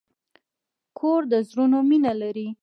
کور د زړونو مینه لري.